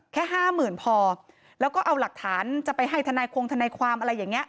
แค่ห้าหมื่นพอแล้วก็เอาหลักฐานจะไปให้ทนายคงทนายความอะไรอย่างนี้